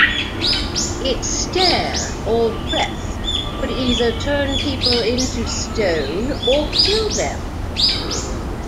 Its stare or breath could either turn people into stone, or kill them.